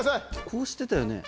こうしてたよね。